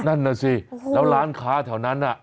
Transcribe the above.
นั่นน่ะสิแล้วร้านค้าแถวนั้นน่ะ